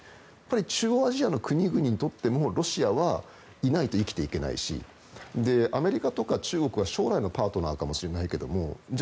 中央アジアの国々にとってもロシアはいないと生きていけないしアメリカと中国は将来のパートナーかもしれないけどもじゃあ